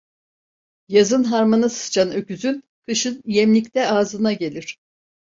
Yazın harmana sıçan öküzün kışın yemlikte ağzına gelir.